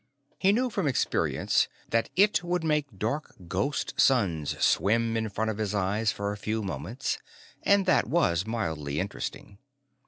He knew from experience that it would make dark ghost suns swim in front of his eyes for a few moments, and that was mildly interesting.